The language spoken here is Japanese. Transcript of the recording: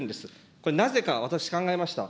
これなぜか、私考えました。